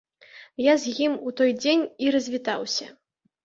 Я з ім у той дзень і развітаўся.